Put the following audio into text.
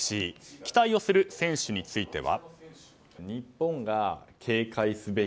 期待をする選手については。